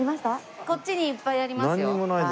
こっちにいっぱいありますよ。